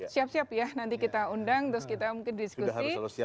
siap siap ya nanti kita undang terus kita mungkin diskusi